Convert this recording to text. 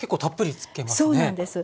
そうなんです。